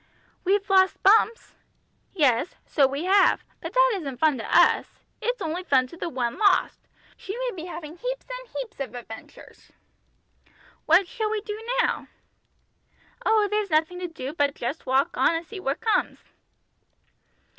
"We've lost Bumps." "Yes, so we have. But that isn't fun to us. It's only fun to the one lost. She may be having heaps and heaps of adventures!" "What shall we do now?" "Oh, there's nothing to do but just walk on and see what comes."